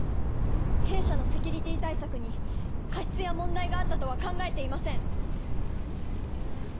弊社のセキュリティー対策に過失や問題があったとは考えていませんえっ？